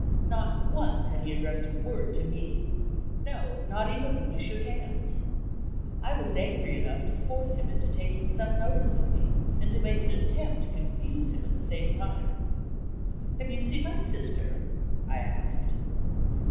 Not once had he addressed a word to me no, not even when we shook hands. I was angry enough to force him into taking some notice of me, and to make an attempt to confuse him at the same time. "Have you seen my sister?" I asked.